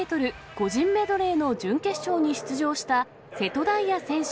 個人メドレーの準決勝に出場した瀬戸大也選手